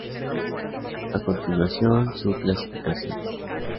A continuación su clasificación.